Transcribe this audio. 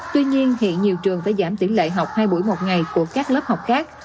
tuy nhiên hiện nhiều trường phải giảm tỷ lệ học hai buổi một ngày của các lớp học khác